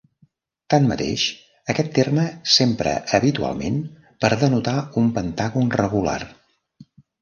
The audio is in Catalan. Tanmateix, aquest terme s'empra habitualment per denotar un pentàgon regular.